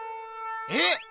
えっ！